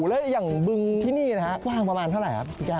แล้วอย่างบึงที่นี่นะครับความประมาณเท่าไรครับพี่แก้ม